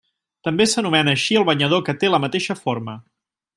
També s'anomena així el banyador que té la mateixa forma.